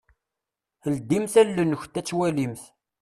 Ldimt allen-nkunt ad twalimt.